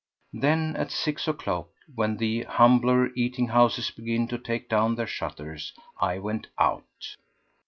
Then, at six o'clock, when the humbler eating houses begin to take down their shutters, I went out.